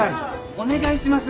お願いします！